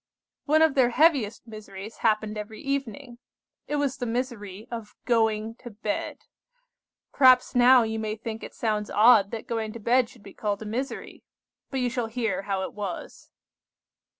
"One of their heaviest miseries happened every evening. It was the misery of going to bed. Perhaps now you may think it sounds odd that going to bed should be called a misery. But you shall hear how it was.